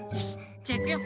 じゃあいくよ。